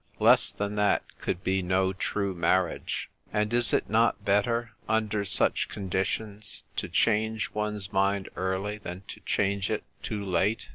Less than that could be no true marriage. And " is it not better, under such conditions, to change one's mind early than to change it too late